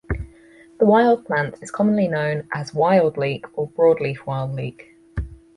The wild plant is commonly known as wild leek or broadleaf wild leek.